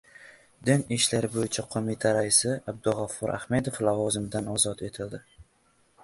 Din ishlari bo‘yicha qo‘mita raisi Abdug‘ofur Ahmedov lavozimidan ozod etildi